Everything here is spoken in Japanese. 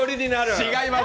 違います！